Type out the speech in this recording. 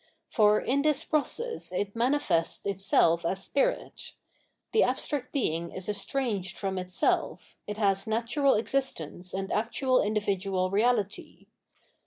For in this process it manifests itself as spirit: the abstract Being is estranged from itself, it has natural existence and actual individual reahty.